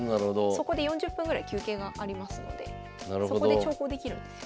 そこで４０分ぐらい休憩がありますのでそこで長考できるんですよ